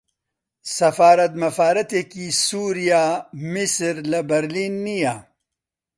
سەفارەت مەفارەتێکی سووریا، میسر لە برلین نییە